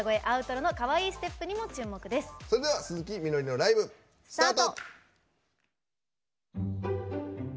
それでは鈴木みのりのライブ、スタート。